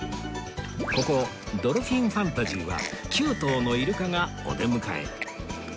ここドルフィンファンタジーは９頭のイルカがお出迎え